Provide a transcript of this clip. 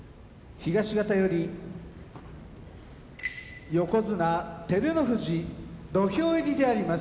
東方より横綱照ノ富士土俵入りであります。